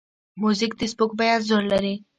موزیک د سپوږمۍ انځور لري.